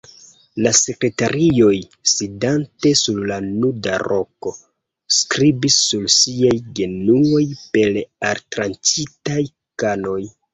La sekretarioj, sidante sur la nuda roko, skribis sur siaj genuoj per altranĉitaj kanoj.